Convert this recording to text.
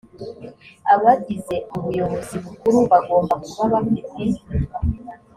abagize ubuyobozi bukuru bagomba kuba bafite